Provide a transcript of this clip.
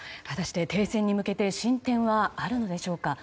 果たして停戦に向けて進展はあるのでしょうか。